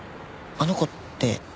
あの子って？